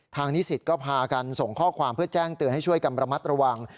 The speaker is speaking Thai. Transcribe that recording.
นิสิตก็พากันส่งข้อความเพื่อแจ้งเตือนให้ช่วยกันระมัดระวัง